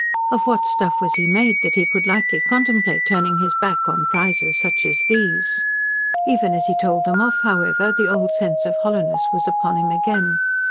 Of what stuff was he made, that he could lightly contemplate turning his back on prizes such as these? Even as he told them off, however, the old sense of hollowness was upon him again.